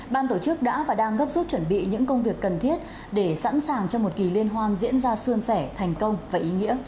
ban tổ chức đã và đang gấp rút chuẩn bị những công việc cần thiết để sẵn sàng cho một kỳ liên hoan diễn ra xuân sẻ thành công và ý nghĩa